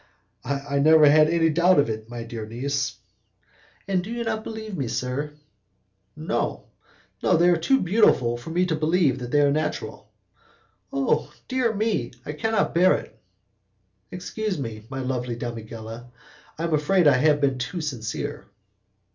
"I never had any doubt of it, my dear niece." "And you do not believe me, sir?" "No, they are too beautiful for me to believe them natural." "Oh, dear me! I cannot bear it." "Excuse me, my lovely damigella, I am afraid I have been too sincere."